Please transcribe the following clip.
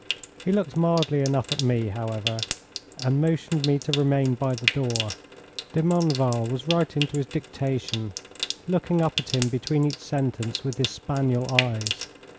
He looked mildly enough at me, however, and motioned me to remain by the door. De Meneval was writing to his dictation, looking up at him between each sentence with his spaniel eyes.